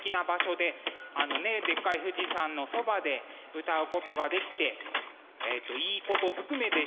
あのねでっかい富士山のそばで歌うことができていいことずくめでした。